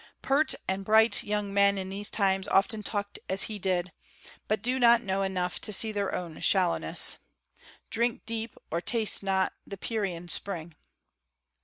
Pert and bright young men in these times often talk as he did, but do not know enough to see their own shallowness. "Drink deep, or taste not the Pierian spring."